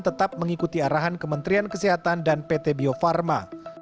tetap mengikuti arahan kementerian kesehatan dan pt bio farma